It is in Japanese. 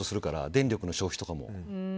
電力の消費とかも。